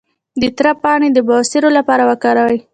د تره پاڼې د بواسیر لپاره وکاروئ